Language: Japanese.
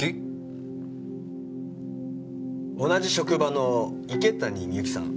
同じ職場の池谷美由紀さん